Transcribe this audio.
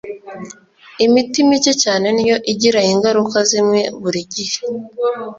imiti micye cyane niyo igira ingaruka zimwe buri gihe.